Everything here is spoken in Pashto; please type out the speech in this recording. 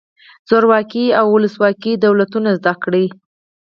زورواکي او ولسواکي دولتونه زده کړئ.